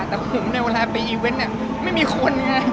แต่ผมในเวลาไปนี้ไม่มีคนไง